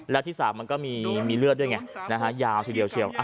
และที่สามมันก็มีเลือดด้วยไงยาวทีเดียวเชี่ยว